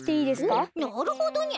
おっなるほどにゃ。